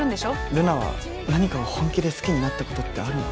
留奈は何かを本気で好きになったことってあるの？